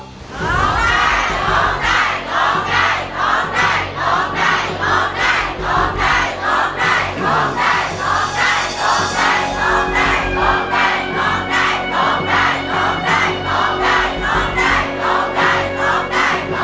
โฆษ์ได้โฆษ์ได้โฆษ์ได้โฆษ์ได้โฆษ์ได้โฆษ์ได้